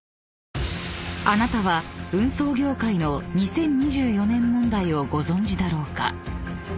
［あなたは運送業界の２０２４年問題をご存じだろうか？］